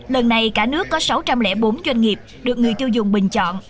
lần này cả nước có sáu trăm linh bốn doanh nghiệp được người tiêu dùng bình chọn